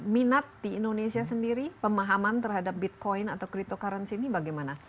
minat di indonesia sendiri pemahaman terhadap bitcoin atau cryptocurrency ini bagaimana